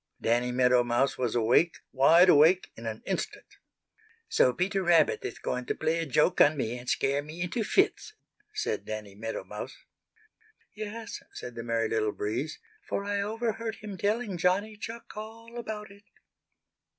Danny Meadow Mouse was awake, wide awake in an instant. "So Peter Rabbit is going to play a joke on me and scare me into fits!" said Danny Meadow Mouse. "Yes," said the Merry Little Breeze, "for I overheard him telling Johnny Chuck all about it."